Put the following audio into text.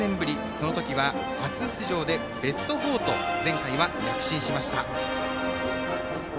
その時は、初出場でベスト４と前回は躍進しました。